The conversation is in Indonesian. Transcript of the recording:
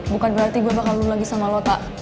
bukan berarti gue bakal lulagi sama lo ta